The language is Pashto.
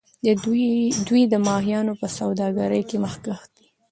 دوی د ماهیانو په سوداګرۍ کې مخکښ دي.